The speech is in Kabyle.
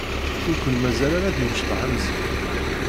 Ur ken-mazal ara d imecṭaḥ am zik.